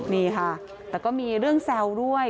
นี่ค่ะแต่ก็มีเรื่องแซวด้วย